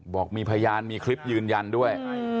บอกมีพยานมีคลิปยืนยันด้วย